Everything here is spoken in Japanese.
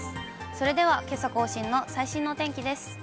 それではけさ更新の最新のお天気です。